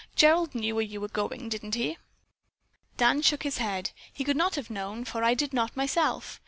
Gerald knew where you were going, didn't he?" Dan shook his head. "He could not have known, for I did not myself.